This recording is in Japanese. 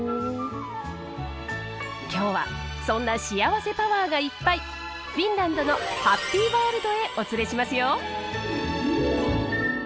今日はそんな幸せパワーがいっぱいフィンランドのハッピーワールドへお連れしますよ。